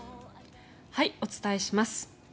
お伝えします。